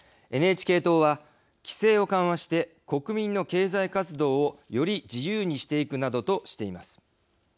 ＮＨＫ党は、規制を緩和して国民の経済活動をより自由にしていくなどとしています。